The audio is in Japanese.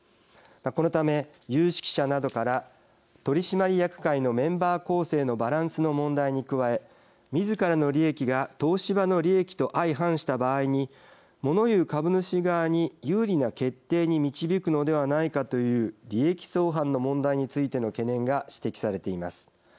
このため、有識者などから取締役会のメンバー構成のバランスの問題に加えみずからの利益が東芝の利益と相反した場合にもの言う株主側に有利な決定に導くのではないかという利益相反の問題についての懸念が指摘されています。